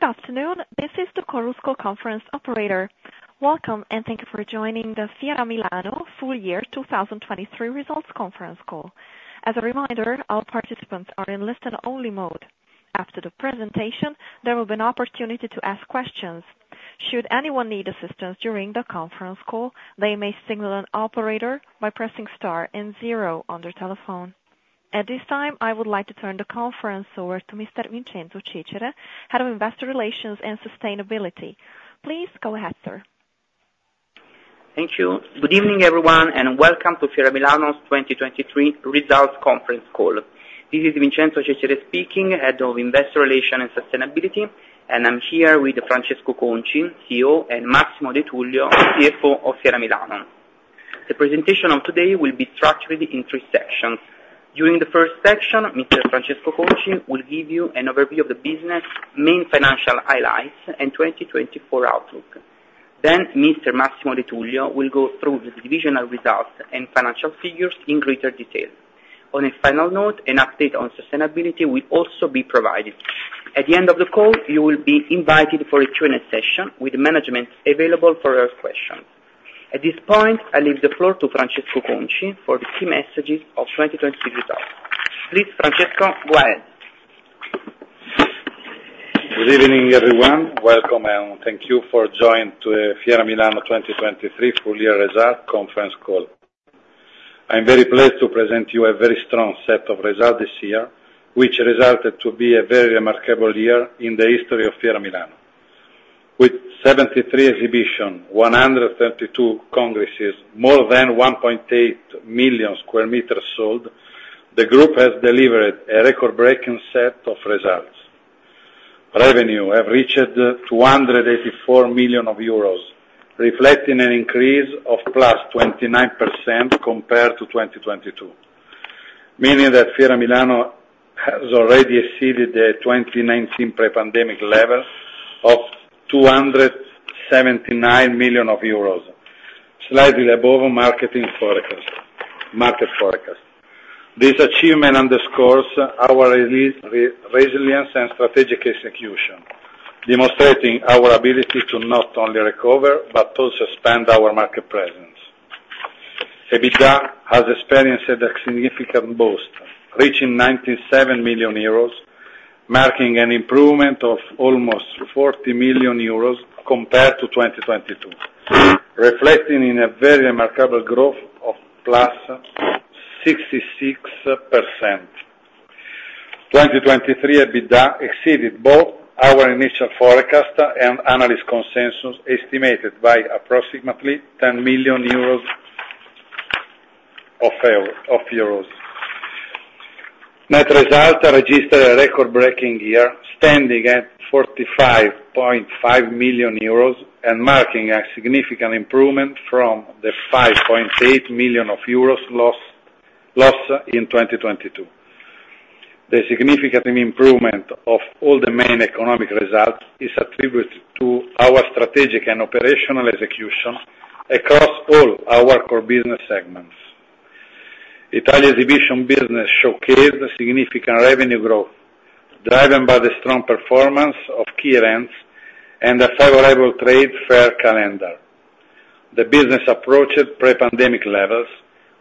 Good afternoon, this is the Coral School conference operator. Welcome and thank you for joining the Fiera Milano full year 2023 results conference call. As a reminder, all participants are in listen-only mode. After the presentation, there will be an opportunity to ask questions. Should anyone need assistance during the conference call, they may signal an operator by pressing star and zero on their telephone. At this time, I would like to turn the conference over to Mr. Vincenzo Cecere, Head of Investor Relations and Sustainability. Please go ahead, sir. Thank you. Good evening, everyone, and welcome to Fiera Milano's 2023 results conference call. This is Vincenzo Cecere speaking, Head of Investor Relations and Sustainability, and I'm here with Francesco Conci, CEO, and Massimo De Tullio, CFO of Fiera Milano. The presentation of today will be structured in three sections. During the first section, Mr. Francesco Conci will give you an overview of the business, main financial highlights, and 2024 outlook. Then, Mr. Massimo De Tullio will go through the divisional results and financial figures in greater detail. On a final note, an update on sustainability will also be provided. At the end of the call, you will be invited for a Q&A session with management available for your questions. At this point, I leave the floor to Francesco Conci for the key messages of 2023 results. Please, Francesco, go ahead. Good evening, everyone. Welcome, and thank you for joining the Fiera Milano 2023 full year results conference call. I'm very pleased to present to you a very strong set of results this year, which resulted in a very remarkable year in the history of Fiera Milano. With 73 exhibitions, 132 congresses, and more than 1.8 million sq m sold, the group has delivered a record-breaking set of results. Revenues have reached 284 million euros, reflecting an increase of +29% compared to 2022, meaning that Fiera Milano has already exceeded the 2019 pre-pandemic level of 279 million euros, slightly above market forecasts. This achievement underscores our resilience and strategic execution, demonstrating our ability to not only recover but also expand our market presence. EBITDA has experienced a significant boost, reaching 97 million euros, marking an improvement of almost 40 million euros compared to 2022, reflecting a very remarkable growth of +66%. 2023 EBITDA exceeded both our initial forecast and analyst consensus estimated by approximately 10 million euros. Net result registered a record-breaking year, standing at 45.5 million euros and marking a significant improvement from the 5.8 million euros lost in 2022. The significant improvement of all the main economic results is attributed to our strategic and operational execution across all our core business segments. Italian exhibition business showcased significant revenue growth, driven by the strong performance of key events and a favorable trade fair calendar. The business approached pre-pandemic levels,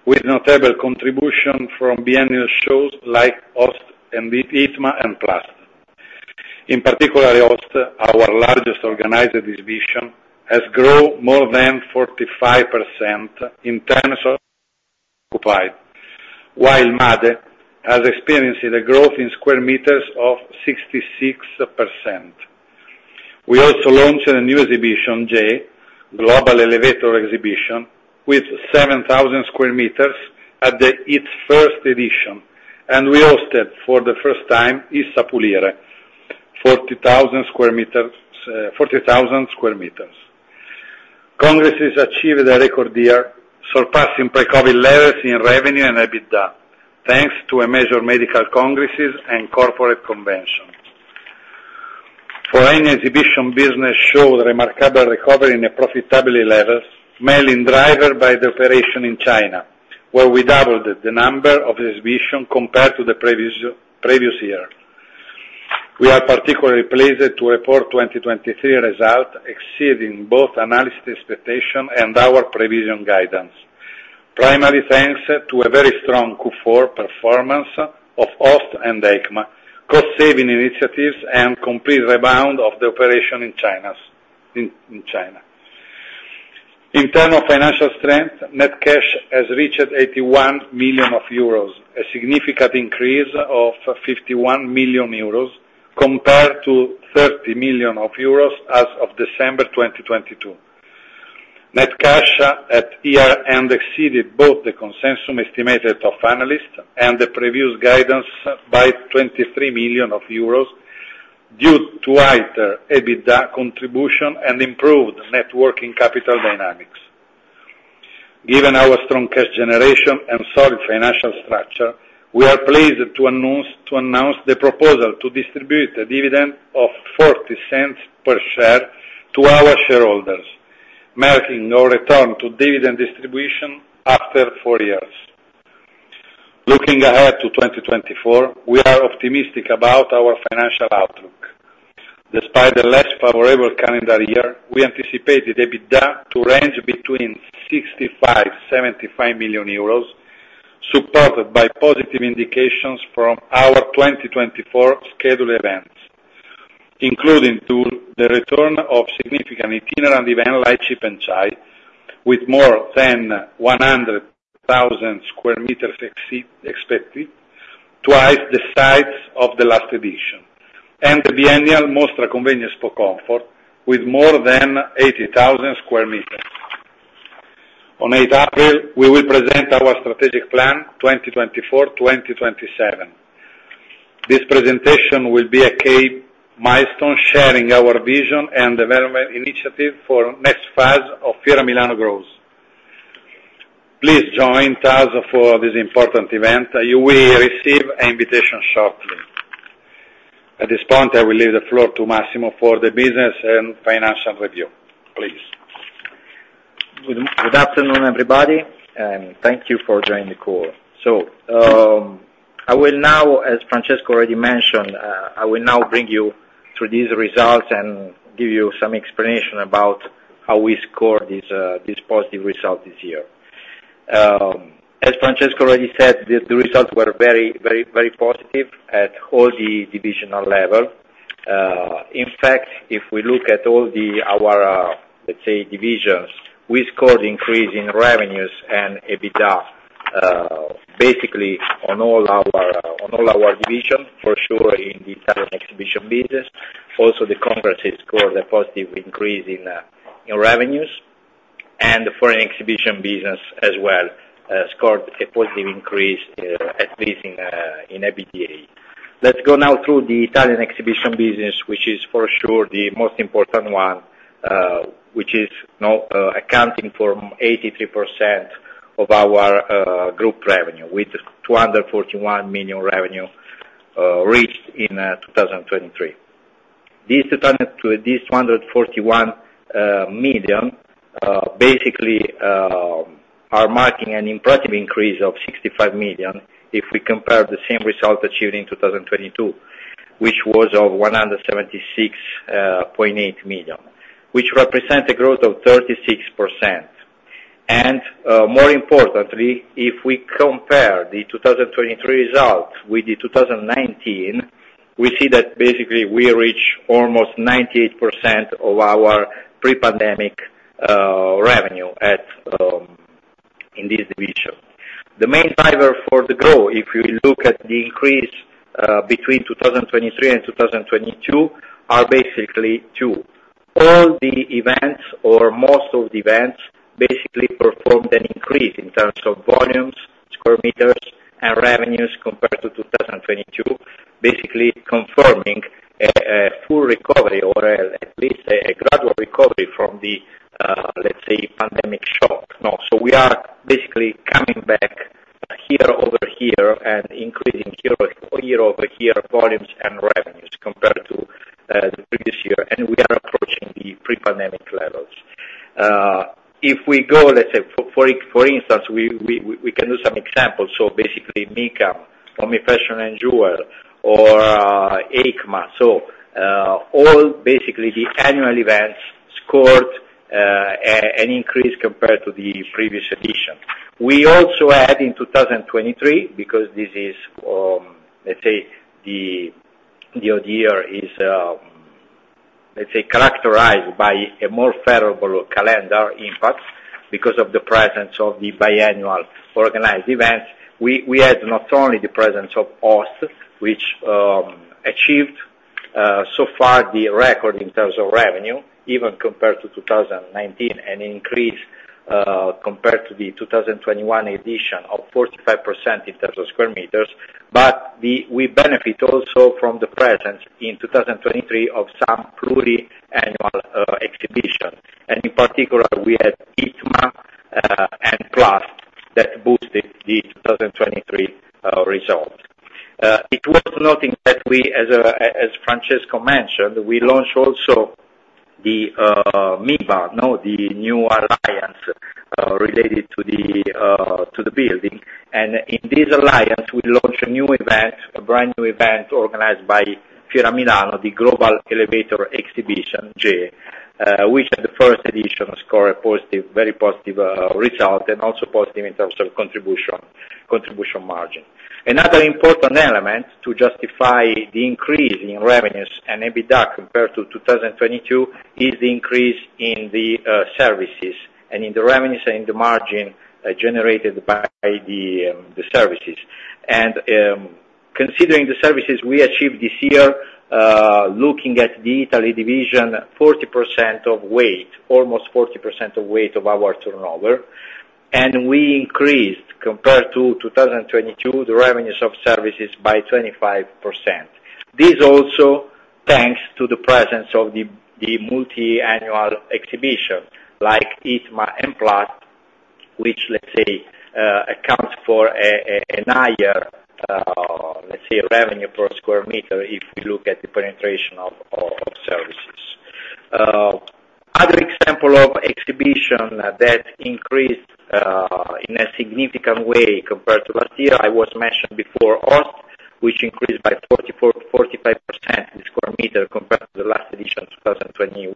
with notable contributions from biennial shows like OST, ITMA, and PLAST. In particular, OST, our largest organized exhibition, has grown more than 45% in terms of occupied, while MADE has experienced a growth in square meters of 66%. We also launched a new exhibition, GEE, Global Elevator Exhibition, with 7,000 square meters at its first edition, and we hosted for the first time ISSA PULIRE, 40,000 square meters. Congresses achieved a record year, surpassing pre-COVID levels in revenue and EBITDA, thanks to a major medical congresses and corporate conventions. Foreign exhibition business showed remarkable recovery in profitability levels, mainly driven by the operation in China, where we doubled the number of exhibitions compared to the previous year. We are particularly pleased to report 2023 results exceeding both analysts' expectations and our provision guidance, primarily thanks to a very strong Q4 performance of OST and EICMA, cost-saving initiatives, and complete rebound of the operation in China. In terms of financial strength, net cash has reached 81 million euros, a significant increase of 51 million euros compared to 30 million euros as of December 2022. Net cash at year-end exceeded both the consensus estimate of analysts and the previous guidance by 23 million euros due to higher EBITDA contribution and improved working capital dynamics. Given our strong cash generation and solid financial structure, we are pleased to announce the proposal to distribute a dividend of 0.40 per share to our shareholders, marking our return to dividend distribution after four years. Looking ahead to 2024, we are optimistic about our financial outlook. Despite the less favorable calendar year, we anticipate the EBITDA to range between 65 million-75 million euros, supported by positive indications from our 2024 scheduled events, including the return of significant itinerant events like CPHI and CHINA, with more than 100,000 sq m expected, twice the size of the last edition, and the biennial Mostra Convegno Expocomfort, with more than 80,000 sq m. On 8 April, we will present our Strategic Plan 2024-2027. This presentation will be a key milestone sharing our vision and development initiative for the next phase of Fiera Milano growth. Please join us for this important event. You will receive an invitation shortly. At this point, I will leave the floor to Massimo for the business and financial review. Please. Good afternoon, everybody, and thank you for joining the call. I will now, as Francesco already mentioned, bring you through these results and give you some explanation about how we scored this positive result this year. As Francesco already said, the results were very, very positive at all the divisional levels. In fact, if we look at all our, let's say, divisions, we scored an increase in revenues and EBITDA basically on all our divisions, for sure, in the Italian exhibition business. Also, the congresses scored a positive increase in revenues, and the foreign exhibition business as well scored a positive increase, at least in EBITDA. Let's go now through the Italian exhibition business, which is for sure the most important one, which is accounting for 83% of our group revenue, with 241 million revenue reached in 2023. These 241 million basically are marking an impressive increase of 65 million if we compare the same result achieved in 2022, which was 176.8 million, which represents a growth of 36%. More importantly, if we compare the 2023 result with 2019, we see that basically we reached almost 98% of our pre-pandemic revenue in this division. The main driver for the growth, if we look at the increase between 2023 and 2022, are basically two. All the events, or most of the events, basically performed an increase in terms of volumes, square meters, and revenues compared to 2022, basically confirming a full recovery or at least a gradual recovery from the, let's say, pandemic shock. We are basically coming back year-over-year and increasing year-over-year volumes and revenues compared to the previous year, and we are approaching the pre-pandemic levels. If we go, let's say, for instance, we can do some examples. Basically, MICAM, Omnifashion & Jewel, or EICMA. All the annual events scored an increase compared to the previous edition. We also had in 2023, because this is, let's say, the year is, let's say, characterized by a more favorable calendar impact because of the presence of the biennial organized events. We had not only the presence of OST, which achieved so far the record in terms of revenue, even compared to 2019, an increase compared to the 2021 edition of 45% in terms of square meters, but we benefit also from the presence in 2023 of some pluriannual exhibitions. In particular, we had ITMA and PLAST that boosted the 2023 results. It's worth noting that we, as Francesco mentioned, launched also the MIBA, the new alliance related to the building. In this alliance, we launched a new event, a brand new event organized by Fiera Milano, the Global Elevator Exhibition (GEE), which at the first edition scored a very positive result and also positive in terms of contribution margin. Another important element to justify the increase in revenues and EBITDA compared to 2022 is the increase in the services and in the revenues and in the margin generated by the services. Considering the services we achieved this year, looking at the Italy division, 40% of weight, almost 40% of weight of our turnover, and we increased compared to 2022 the revenues of services by 25%. This is also thanks to the presence of the multi-annual exhibition like ITMA and PLAST, which, let's say, accounts for a higher, let's say, revenue per square meter if we look at the penetration of services. Other example of exhibition that increased in a significant way compared to last year, I was mentioned before, OST, which increased by 44%-45% in square meter compared to the last edition, 2021.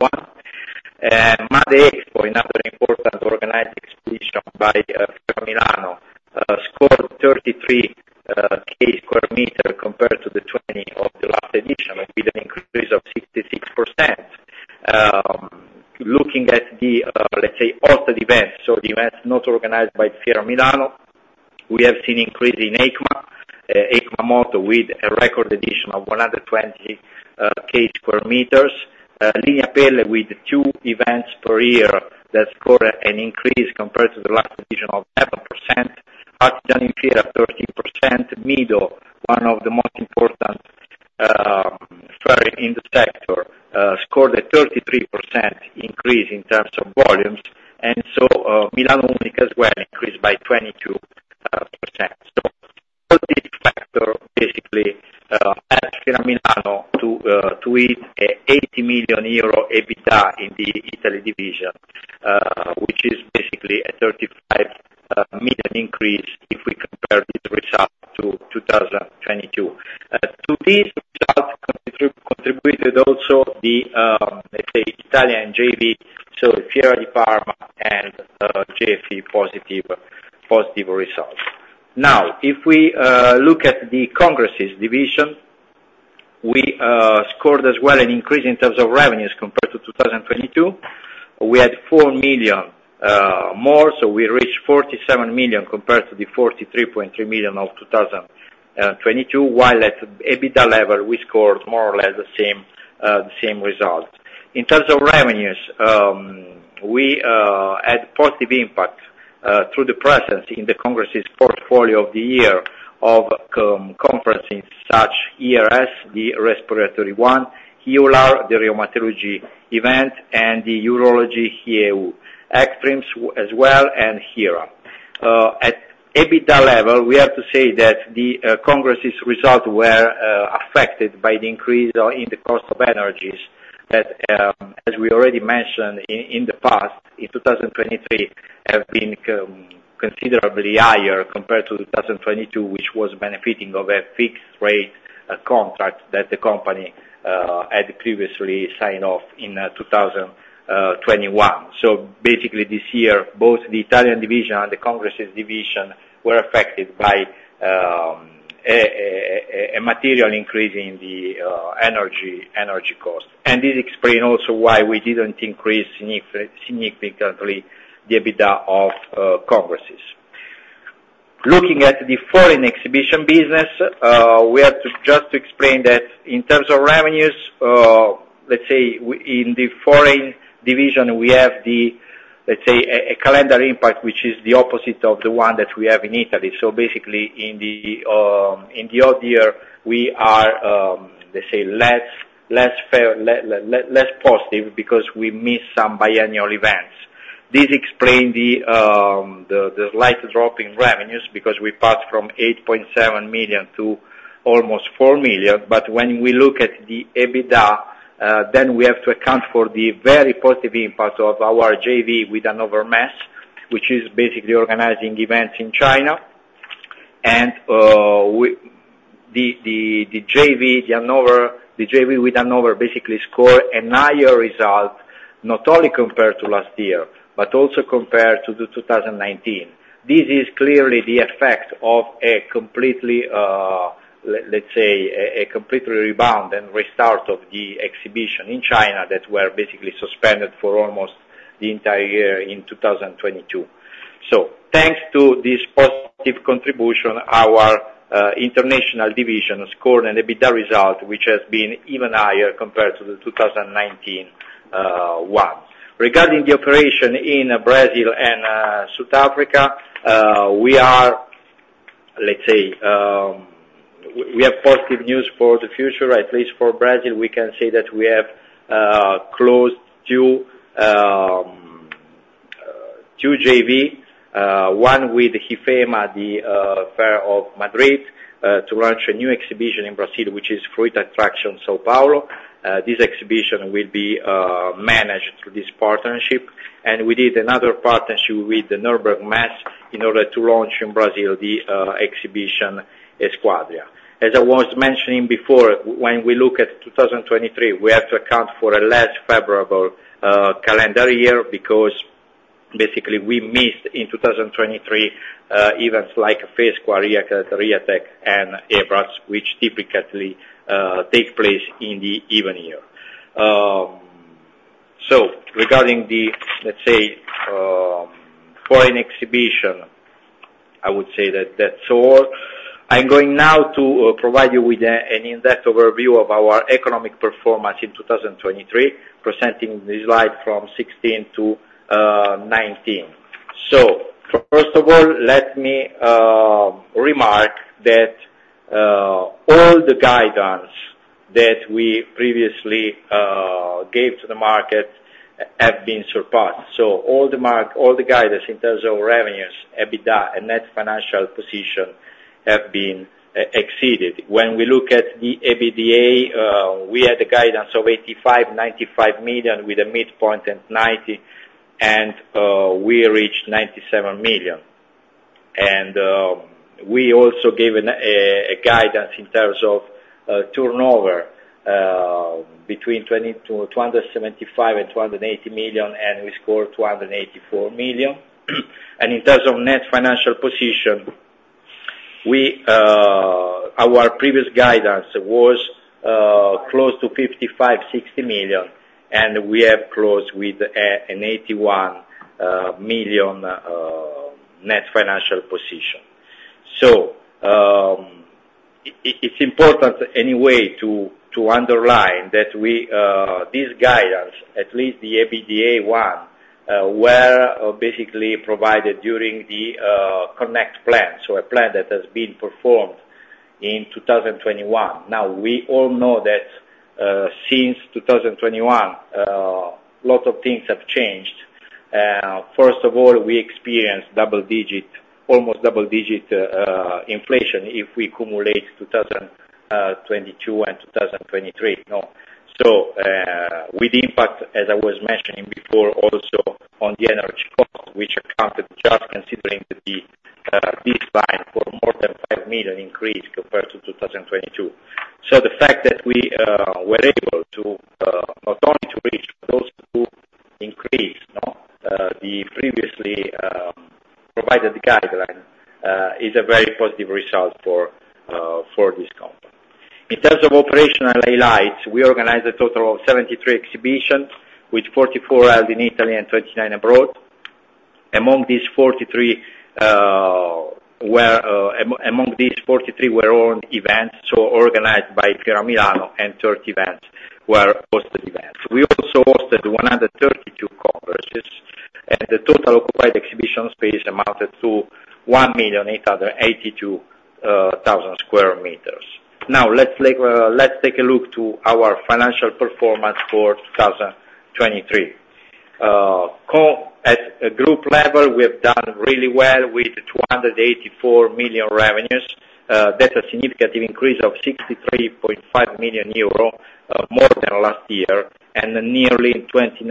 MADE Expo, another important organized exhibition by Fiera Milano, scored 33,000 sq m compared to the 20,000 of the last edition, with an increase of 66%. Looking at the, let's say, OST events, so the events not organized by Fiera Milano, we have seen an increase in EICMA, EICMA Moto with a record edition of 120,000 sq m. Linea Pelle with two events per year that scored an increase compared to the last edition of 7%. Artigiani Fiera 13%. Mido, one of the most important fairs in the sector, scored a 33% increase in terms of volumes. Milano Unica as well increased by 22%. All these factors basically helped Fiera Milano to hit an 80 million euro EBITDA in the Italy division, which is basically a 35 million increase if we compare this result to 2022. To these results contributed also the, let's say, Italian JV, so Fiera di Parma and JV positive results. Now, if we look at the congresses division, we scored as well an increase in terms of revenues compared to 2022. We had 4 million more, so we reached 47 million compared to the 43.3 million of 2022, while at EBITDA level, we scored more or less the same result. In terms of revenues, we had positive impact through the presence in the congresses portfolio of the year of conferences such as ERS, (the Respiratory One), EULAR, (the rheumatology event), and the urology HIEU, ECTRIMS as well, and HIRA. At EBITDA level, we have to say that the congresses results were affected by the increase in the cost of energies that, as we already mentioned in the past, in 2023, have been considerably higher compared to 2022, which was benefiting of a fixed rate contract that the company had previously signed off in 2021. Basically, this year, both the Italian division and the congresses division were affected by a material increase in the energy cost. This explains also why we did not increase significantly the EBITDA of congresses. Looking at the foreign exhibition business, we have just to explain that in terms of revenues, in the foreign division, we have a calendar impact, which is the opposite of the one that we have in Italy. Basically, in the odd year, we are less positive because we miss some biennial events. This explains the slight drop in revenues because we passed from 8.7 million to almost 4 million. When we look at the EBITDA, then we have to account for the very positive impact of our JV with Hannover Messe, which is basically organizing events in China. The JV with Hannover basically scored a higher result not only compared to last year, but also compared to 2019. This is clearly the effect of a completely, let's say, a completely rebound and restart of the exhibition in China that were basically suspended for almost the entire year in 2022. Thanks to this positive contribution, our international division scored an EBITDA result, which has been even higher compared to the 2019 one. Regarding the operation in Brazil and South Africa, we are, let's say, we have positive news for the future, at least for Brazil. We can say that we have closed two JVs, one with IFEMA, the Fair of Madrid, to launch a new exhibition in Brazil, which is Fruit Attraction São Paulo. This exhibition will be managed through this partnership. We did another partnership with NürnbergMesse in order to launch in Brazil the exhibition Esquadria. As I was mentioning before, when we look at 2023, we have to account for a less favorable calendar year because basically we missed in 2023 events like FESQUA, R+T South America, and Events, which typically take place in the even year. Regarding the, let's say, Foreign Exhibition, I would say that that's all. I'm going now to provide you with an in-depth overview of our economic performance in 2023, presenting the slide from 16 to 19. First of all, let me remark that all the guidance that we previously gave to the market have been surpassed. All the guidance in terms of revenues, EBITDA, and Net Financial Position have been exceeded. When we look at the EBITDA, we had a guidance of 85 million-95 million with a midpoint at 90 million, and we reached 97 million. We also gave a guidance in terms of turnover between 275 million and 280 million, and we scored 284 million. In terms of Net Financial Position, our previous guidance was close to 55 million-60 million, and we have closed with an 81 million Net Financial Position. It is important anyway to underline that this guidance, at least the EBITDA one, was basically provided during the Connect Plan, a plan that has been performed in 2021. Now, we all know that since 2021, a lot of things have changed. First of all, we experienced almost double-digit inflation if we cumulate 2022 and 2023. With the impact, as I was mentioning before, also on the energy cost, which accounted just considering the baseline for more than 5 million increase compared to 2022. The fact that we were able to not only reach those two increases, the previously provided guideline is a very positive result for this company. In terms of operational highlights, we organized a total of 73 exhibitions with 44 held in Italy and 29 abroad. Among these, 43 were owned events, so organized by Fiera Milano, and 30 events were hosted events. We also hosted 132 congresses, and the total occupied exhibition space amounted to 1,882,000 sq m. Now, let's take a look to our financial performance for 2023. At Group level, we have done really well with 284 million revenues. That's a significant increase of 63.5 million euro, more than last year, and nearly 29%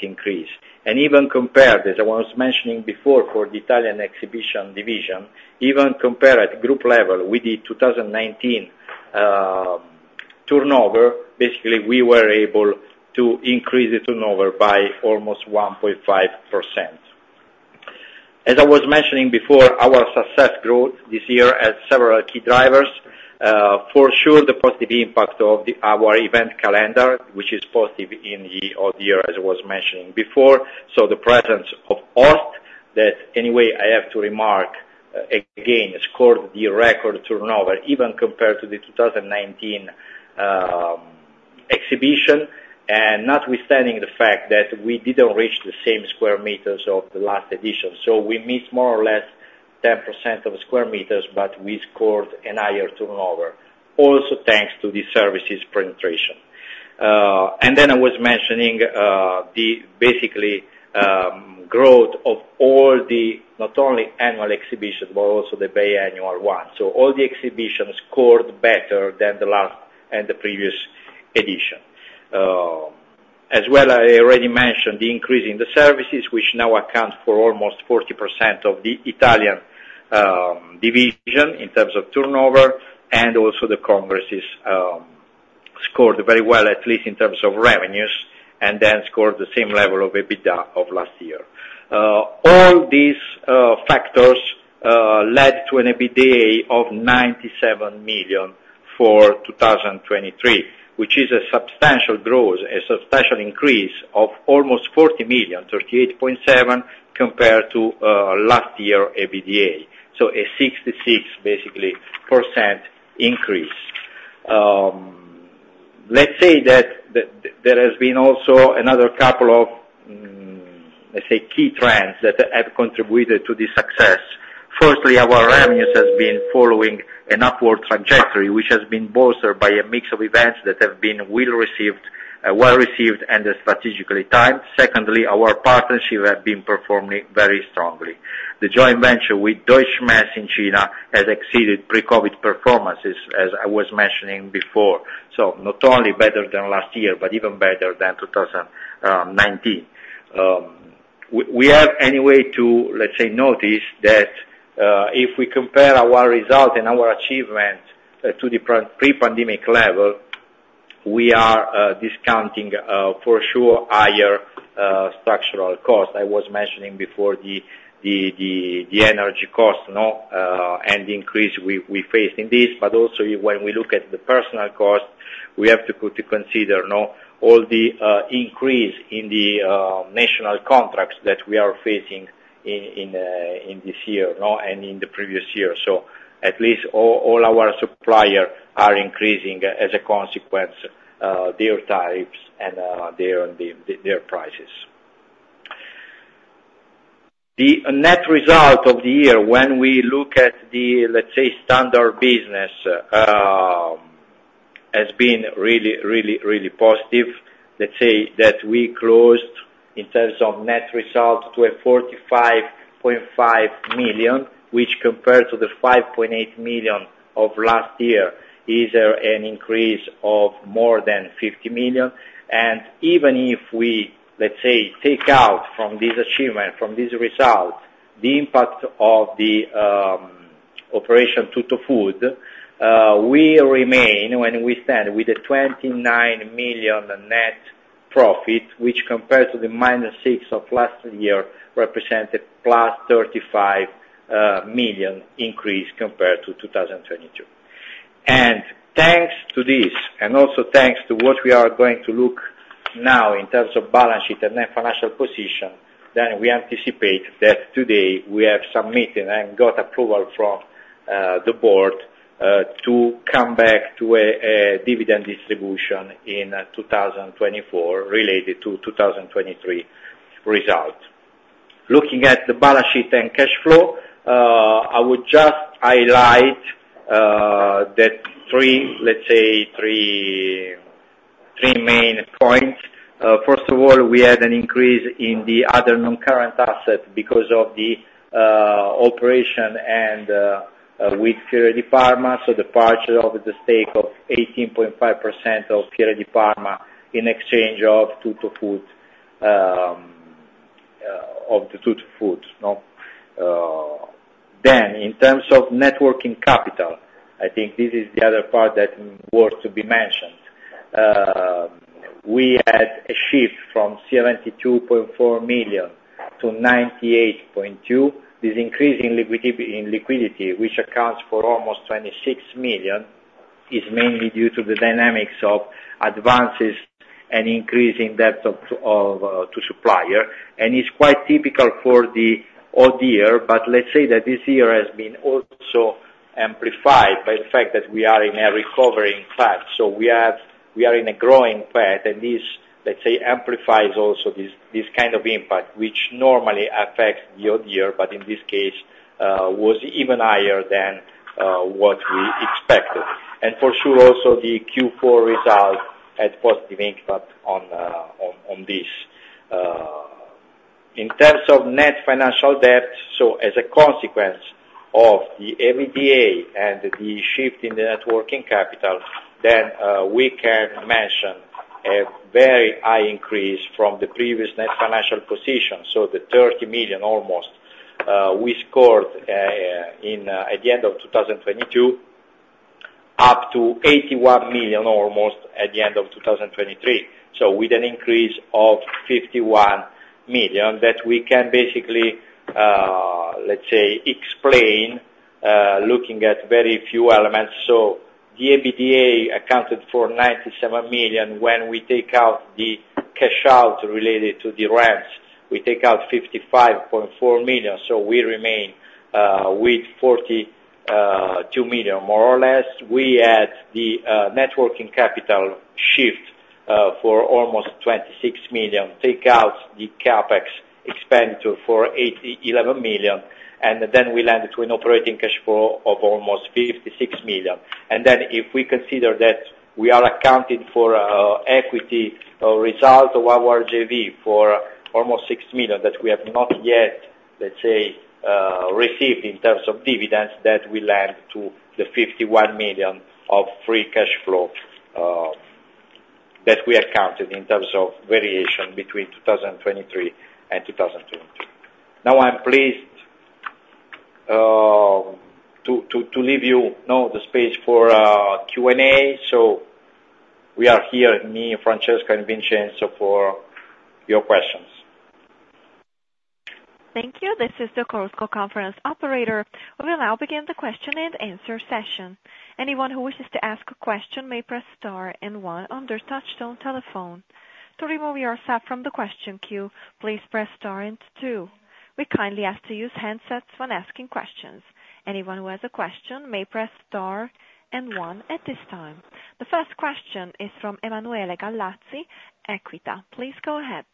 increase. Even compared, as I was mentioning before for the Italian Exhibition Division, even compared at Group level with the 2019 turnover, basically we were able to increase the turnover by almost 1.5%. As I was mentioning before, our success growth this year had several key drivers. For sure, the positive impact of our event calendar, which is positive in the odd year, as I was mentioning before. The presence of OST that anyway I have to remark again scored the record turnover, even compared to the 2019 exhibition, and notwithstanding the fact that we didn't reach the same square meters of the last edition. We missed more or less 10% of square meters, but we scored a higher turnover, also thanks to the services penetration. I was mentioning the basically growth of all the not only annual exhibitions, but also the biennial one. All the exhibitions scored better than the last and the previous edition. As well as I already mentioned, the increase in the services, which now accounts for almost 40% of the Italian Division in terms of turnover, and also the Congresses scored very well, at least in terms of revenues, and then scored the same level of EBITDA of last year. All these factors led to an EBITDA of 97 million for 2023, which is a substantial growth, a substantial increase of almost 40 million, 38.7 million compared to last year EBITDA. A 66% increase. Let's say that there has been also another couple of, let's say, key trends that have contributed to the success. Firstly, our revenues have been following an upward trajectory, which has been bolstered by a mix of events that have been well received and strategically timed. Secondly, our partnership has been performing very strongly. The joint venture with Deutsche Messe in China has exceeded pre-COVID performances, as I was mentioning before. Not only better than last year, but even better than 2019. We have anyway to, let's say, notice that if we compare our result and our achievement to the pre-pandemic level, we are discounting for sure higher structural costs. I was mentioning before the energy cost and the increase we faced in this, but also when we look at the personnel cost, we have to consider all the increase in the national contracts that we are facing in this year and in the previous year. At least all our suppliers are increasing as a consequence, their tariffs and their prices. The net result of the year, when we look at the, let's say, standard business, has been really, really, really positive. Let's say that we closed in terms of net result to 45.5 million, which compared to the 5.8 million of last year is an increase of more than 50 million. Even if we, let's say, take out from this achievement, from this result, the impact of the operation to food, we remain, we stand with a 29 million net profit, which compared to the minus 6 million of last year represented a plus 35 million increase compared to 2022. Thanks to this, and also thanks to what we are going to look at now in terms of balance sheet and net financial position, we anticipate that today we have submitted and got approval from the board to come back to a dividend distribution in 2024 related to the 2023 result. Looking at the balance sheet and cash flow, I would just highlight three main points. First of all, we had an increase in the other non-current asset because of the operation with Fiera fdi Parma.b The purchase of the stake of 18.5% of Fiera di Parma in exchange of two to food of the two to food. In terms of networking capital, I think this is the other part that was to be mentioned. We had a shift from 72.4 million to 98.2 million. This increase in liquidity, which accounts for almost 26 million, is mainly due to the dynamics of advances and increasing debt to supplier. It's quite typical for the odd year, but let's say that this year has been also amplified by the fact that we are in a recovering path. We are in a growing path, and this, let's say, amplifies also this kind of impact, which normally affects the odd year, but in this case was even higher than what we expected. For sure also the Q4 result had positive impact on this. In terms of net financial debt, as a consequence of the EBITDA and the shift in the working capital, we can mention a very high increase from the previous net financial position. The 30 million almost we scored at the end of 2022 up to 81 million almost at the end of 2023, with an increase of 51 million that we can basically, let's say, explain looking at very few elements. The EBITDA accounted for 97 million. When we take out the cash out related to the rents, we take out 55.4 million. We remain with 42 million more or less. We had the working capital shift for almost 26 million, take out the CapEx expenditure for 11 million, and then we landed to an operating cash flow of almost 56 million. If we consider that we are accounting for equity result of our JV for almost 6 million that we have not yet, let's say, received in terms of dividends, that we land to the 51 million of free cash flow that we accounted in terms of variation between 2023 and 2022. Now, I'm pleased to leave you now the space for Q&A. We are here, me and Francesco and Vincenzo, for your questions. Thank you. This is the CORSCO conference operator. We will now begin the question and answer session. Anyone who wishes to ask a question may press star and one on their touch-tone telephone. To remove yourself from the question queue, please press star and two. We kindly ask you to use handsets when asking questions. Anyone who has a question may press star and one at this time. The first question is from Emanuele Gallazzi, Equita. Please go ahead.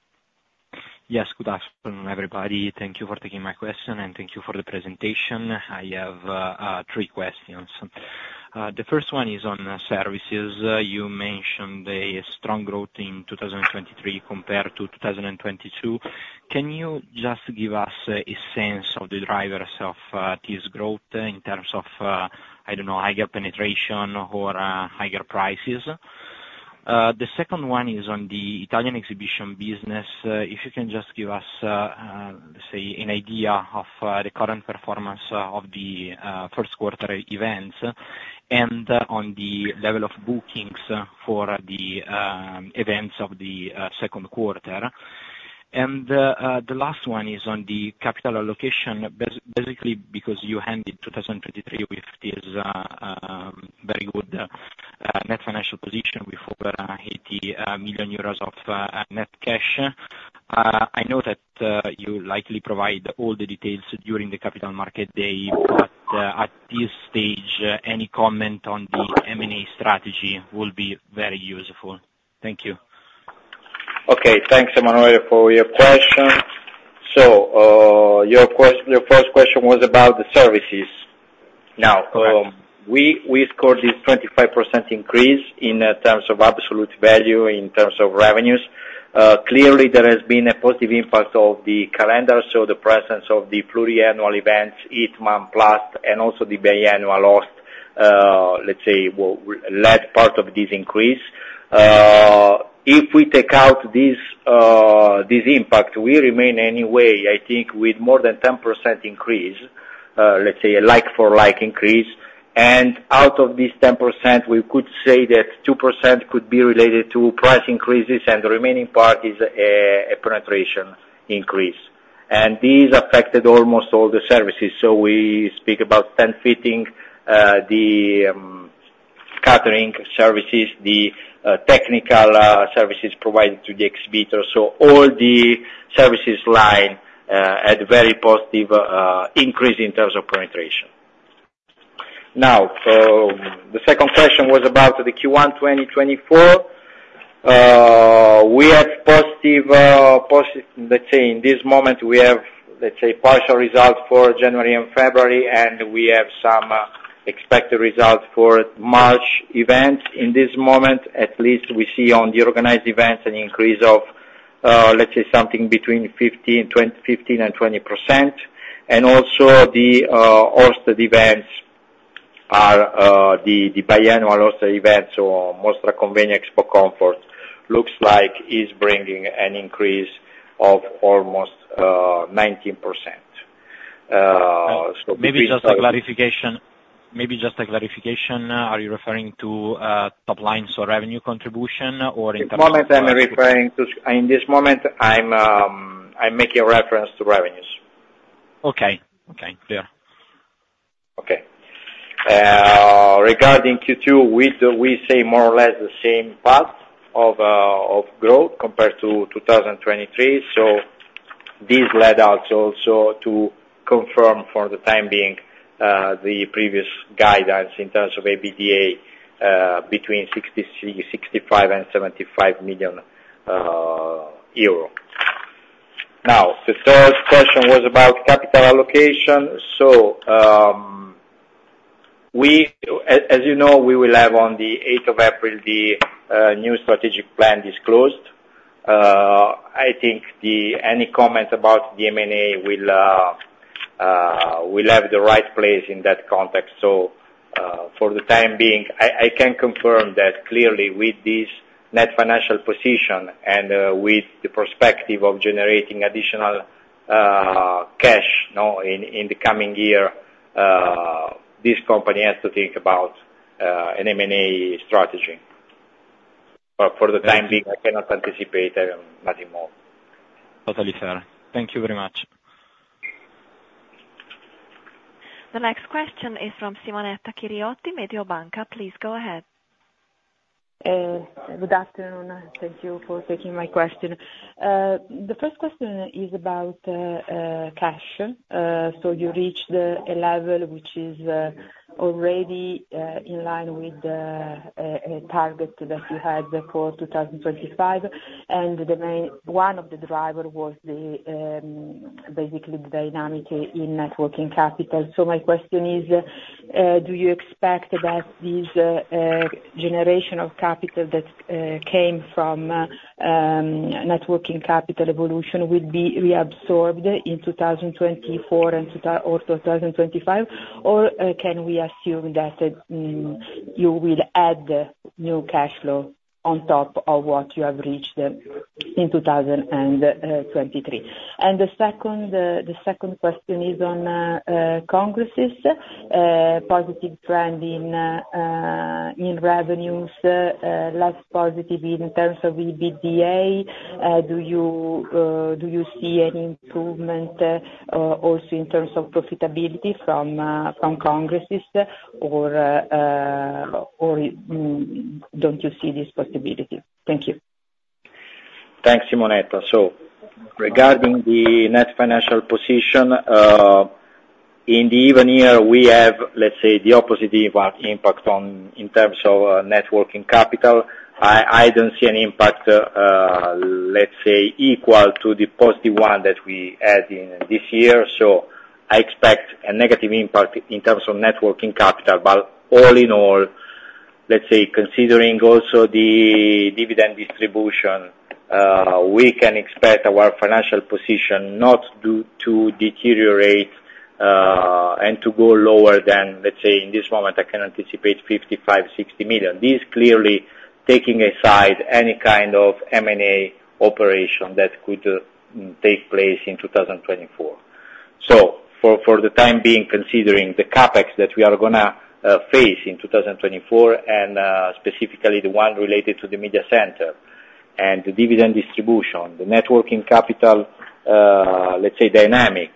Yes, good afternoon, everybody. Thank you for taking my question, and thank you for the presentation. I have three questions. The first one is on services. You mentioned a strong growth in 2023 compared to 2022. Can you just give us a sense of the drivers of this growth in terms of, I don't know, higher penetration or higher prices? The second one is on the Italian exhibition business. If you can just give us, let's say, an idea of the current performance of the first quarter events and on the level of bookings for the events of the second quarter. The last one is on the capital allocation, basically because you ended 2023 with this very good net financial position with over 80 million euros of net cash. I know that you likely provide all the details during the capital market day, but at this stage, any comment on the M&A strategy will be very useful. Thank you. Okay. Thanks, Emanuele, for your question. Your first question was about the services. Now, we scored this 25% increase in terms of absolute value, in terms of revenues. Clearly, there has been a positive impact of the calendar. The presence of the pluriannual events, EatMom Plus, and also the biennial OST, let's say, led part of this increase. If we take out this impact, we remain anyway, I think, with more than 10% increase, a like-for-like increase. Out of this 10%, we could say that 2% could be related to price increases, and the remaining part is a penetration increase. These affected almost all the services. We speak about stand fitting, the catering services, the technical services provided to the exhibitor. All the services line had a very positive increase in terms of penetration. Now, the second question was about the Q1 2024. We have positive, let's say, in this moment, we have, let's say, partial results for January and February, and we have some expected results for March events. In this moment, at least we see on the organized events an increase of, let's say, something between 15-20%. Also the OST events, the biennial OST events, or Mostra Convegno Expocomfort, looks like is bringing an increase of almost 19%. This is. Maybe just a clarification. Are you referring to top lines or revenue contribution or in terms of? At the moment, I'm referring to, in this moment, I'm making reference to revenues. Okay. Okay. Clear. Okay. Regarding Q2, we say more or less the same path of growth compared to 2023. These led us also to confirm for the time being the previous guidance in terms of EBITDA between EUR 65 million-EUR 75 million. Now, the third question was about capital allocation. As you know, we will have on the 8th of April, the new strategic plan disclosed. I think any comment about the M&A will have the right place in that context. For the time being, I can confirm that clearly with this net financial position and with the perspective of generating additional cash in the coming year, this company has to think about an M&A strategy. For the time being, I cannot anticipate nothing more. Totally fair. Thank you very much. The next question is from Simonetta Chiriotti, Mediobanca. Please go ahead. Good afternoon. Thank you for taking my question. The first question is about cash. You reached a level which is already in line with a target that you had for 2025. One of the drivers was basically the dynamic in working capital. My question is, do you expect that this generation of capital that came from working capital evolution will be reabsorbed in 2024 or 2025? Can we assume that you will add new cash flow on top of what you have reached in 2023? The second question is on Congress' positive trend in revenues. Last positive in terms of EBITDA, do you see any improvement also in terms of profitability from Congress'? Or do not you see this possibility? Thank you. Thanks, Simonetta. Regarding the net financial position, in the even year, we have, let's say, the opposite impact in terms of working capital. I do not see an impact, let's say, equal to the positive one that we had this year. I expect a negative impact in terms of working capital. All in all, let's say, considering also the dividend distribution, we can expect our financial position not to deteriorate and to go lower than, let's say, in this moment, I can anticipate 55 million-60 million. This is clearly taking aside any kind of M&A operation that could take place in 2024. For the time being, considering the CapEx that we are going to face in 2024, and specifically the one related to the media center and the dividend distribution, the networking capital, let's say, dynamic,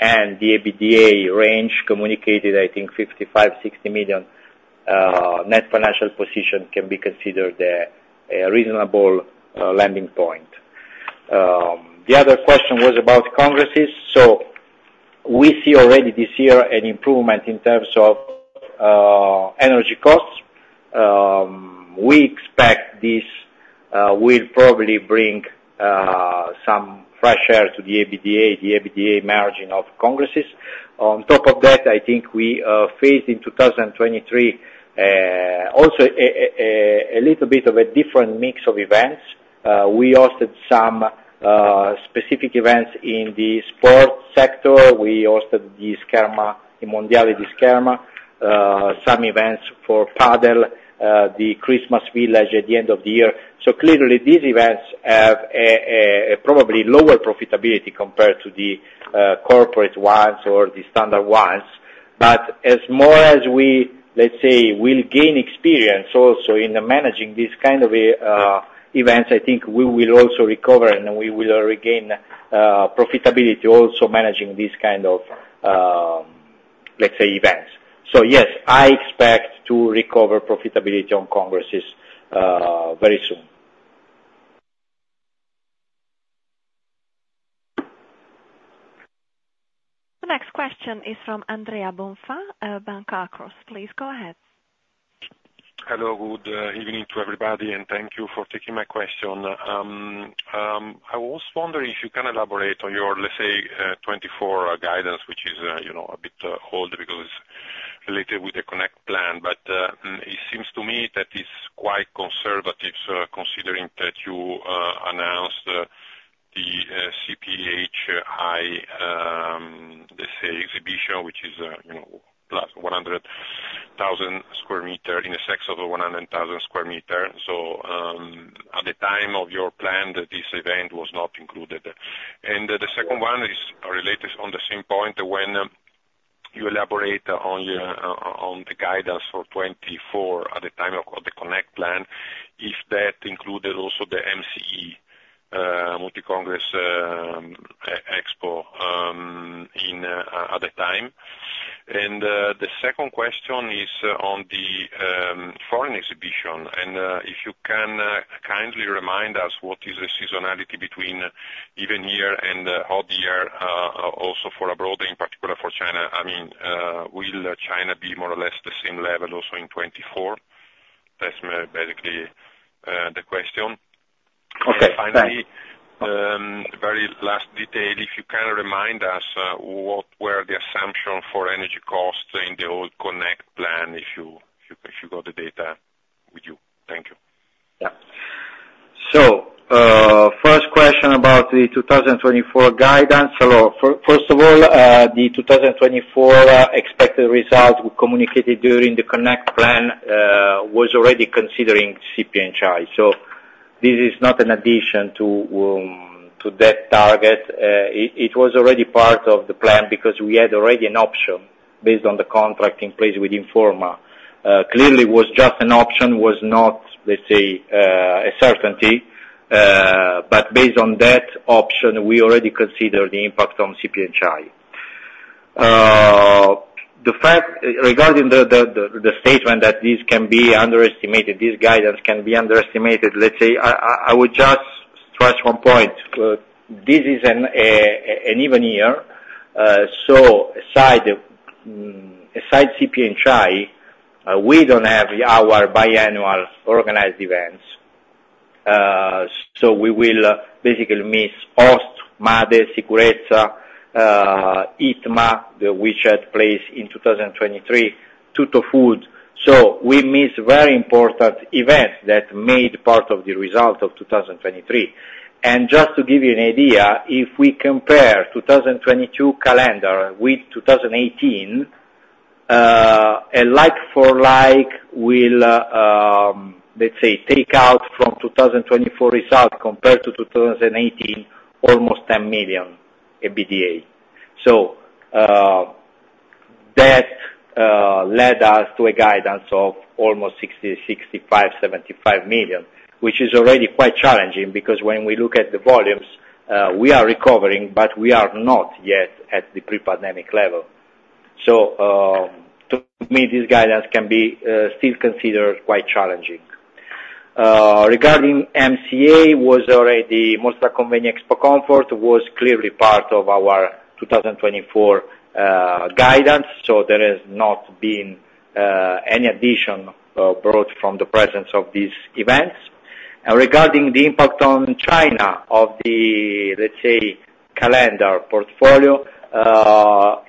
and the EBITDA range communicated, I think 55 million-60 million net financial position can be considered a reasonable landing point. The other question was about congresses. We see already this year an improvement in terms of energy costs. We expect this will probably bring some fresh air to the EBITDA, the EBITDA margin of congresses. On top of that, I think we faced in 2023 also a little bit of a different mix of events. We hosted some specific events in the sports sector. We hosted the Mondiale di Scherma, some events for padel, the Christmas Village at the end of the year. Clearly, these events have probably lower profitability compared to the corporate ones or the standard ones. As more as we, let's say, will gain experience also in managing this kind of events, I think we will also recover and we will regain profitability also managing this kind of, let's say, events. Yes, I expect to recover profitability on Congress' very soon. The next question is from Andrea Bonfà, Banca Akros. Please go ahead. Hello. Good evening to everybody, and thank you for taking my question. I was wondering if you can elaborate on your, let's say, 2024 guidance, which is a bit old because it's related with the Connect plan. It seems to me that it's quite conservative considering that you announced the CPHI, let's say, exhibition, which is plus 100,000 square meters in the sense of 100,000 square meters. At the time of your plan, this event was not included. The second one is related on the same point when you elaborate on the guidance for 2024 at the time of the Connect plan, if that included also the MCE, Mostra Convegno Expocomfort at the time. The second question is on the foreign exhibition. If you can kindly remind us what is the seasonality between even year and odd year also for abroad, in particular for China. I mean, will China be more or less the same level also in 2024? That's basically the question. Okay. Thank you. Finally, very last detail, if you can remind us what were the assumptions for energy costs in the old Connect plan, if you got the data with you. Thank you. Yeah. So first question about the 2024 guidance. So first of all, the 2024 expected result communicated during the Connect plan was already considering CPHI. So this is not an addition to that target. It was already part of the plan because we had already an option based on the contract in place with Informa. Clearly, it was just an option, was not, let's say, a certainty. But based on that option, we already considered the impact on CPHI. Regarding the statement that this can be underestimated, this guidance can be underestimated, let's say, I would just stress one point. This is an even year. So aside CPHI, we don't have our biannual organized events. So we will basically miss OST, Made, Sicurezza, EatMa, which had place in 2023, TuttoFood. So we miss very important events that made part of the result of 2023. And just to give you an idea, if we compare 2022 calendar with 2018, a like-for-like will, let's say, take out from 2024 result compared to 2018, almost 10 million EBITDA. So that led us to a guidance of almost 65, 75 million, which is already quite challenging because when we look at the volumes, we are recovering, but we are not yet at the pre-pandemic level. So to me, this guidance can be still considered quite challenging. Regarding MCA, most of the Convenio Expo Comfort was clearly part of our 2024 guidance. So there has not been any addition brought from the presence of these events. And regarding the impact on China of the, let's say, calendar portfolio,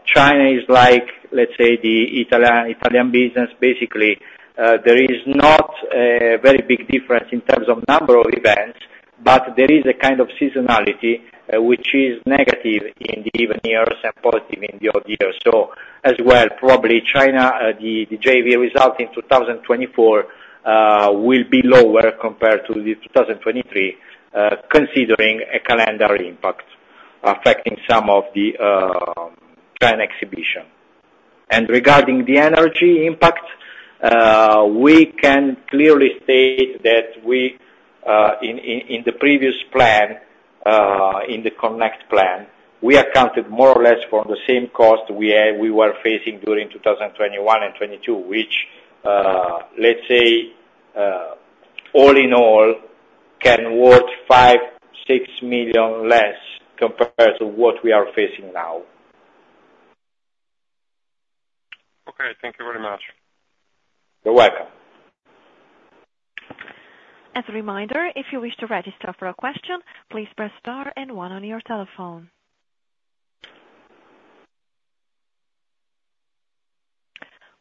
China is like, let's say, the Italian business. Basically, there is not a very big difference in terms of number of events, but there is a kind of seasonality which is negative in the even years and positive in the odd years. Probably China, the JV result in 2024 will be lower compared to 2023, considering a calendar impact affecting some of the China exhibition. Regarding the energy impact, we can clearly state that in the previous plan, in the Connect plan, we accounted more or less for the same cost we were facing during 2021 and 2022, which, let's say, all in all can worth 5 million-6 million less compared to what we are facing now. Okay. Thank you very much. You're welcome. As a reminder, if you wish to register for a question, please press star and one on your telephone.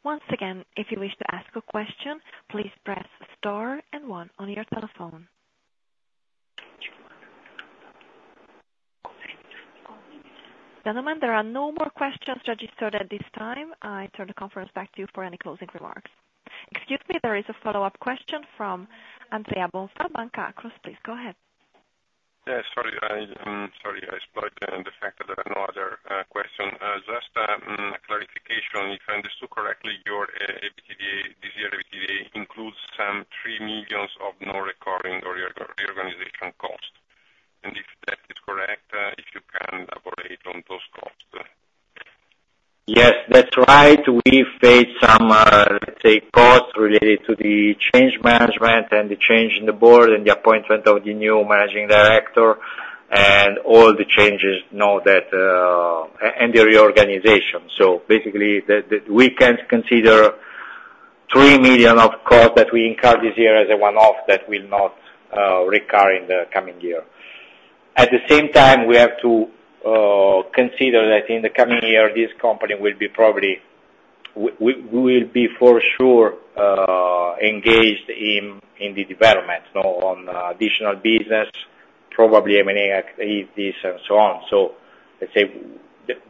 Once again, if you wish to ask a question, please press star and one on your telephone. Gentlemen, there are no more questions registered at this time. I turn the conference back to you for any closing remarks. Excuse me, there is a follow-up question from Andrea Bonfà, Banca Akros. Please go ahead. Yes. Sorry. Sorry. I spoke the fact that there are no other questions. Just a clarification. If I understood correctly, this year EBITDA includes some 3 million of no recurring or reorganization costs. And if that is correct, if you can elaborate on those costs. Yes. That's right. We face some, let's say, costs related to the change management and the change in the board and the appointment of the new managing director and all the changes and the reorganization. So basically, we can consider 3 million of costs that we incurred this year as a one-off that will not recur in the coming year. At the same time, we have to consider that in the coming year, this company will be probably we will be for sure engaged in the development on additional business, probably M&A activities and so on. So let's say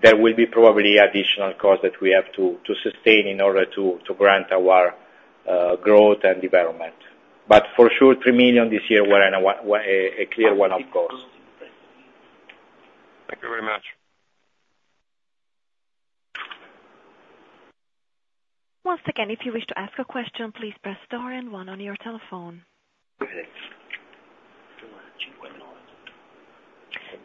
there will be probably additional costs that we have to sustain in order to grant our growth and development. But for sure, 3 million this year were a clear one-off cost. Thank you very much. Once again, if you wish to ask a question, please press star and one on your telephone.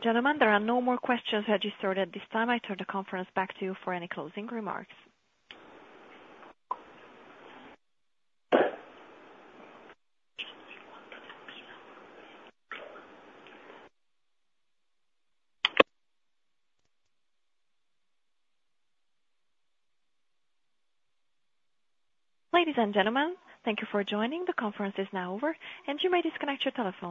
Gentlemen, there are no more questions registered at this time. I turn the conference back to you for any closing remarks. Ladies and gentlemen, thank you for joining. The conference is now over, and you may disconnect your telephone.